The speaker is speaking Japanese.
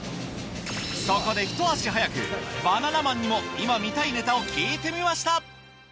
そこでひと足早くバナナマンにも今見たいネタを聞いてみました